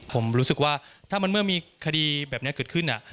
ผมรู้สึกว่าถ้ามันเมื่อมีคดีแบบนี้เกิดขึ้น